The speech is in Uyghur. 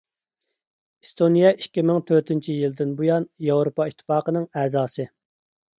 ئېستونىيە ئىككى مىڭ تۆتىنچى يىلىدىن بۇيان ياۋروپا ئىتتىپاقىنىڭ ئەزاسى.